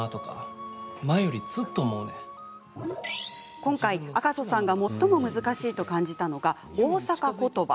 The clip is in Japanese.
今回、赤楚さんが最も難しいと感じたのが大阪ことば。